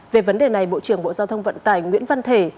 về vấn đề này bộ trưởng bộ giao thông vận tải nguyễn văn thể